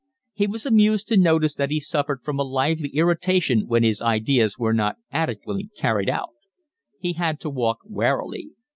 He was amused to notice that he suffered from a lively irritation when his ideas were not adequately carried out. He had to walk warily.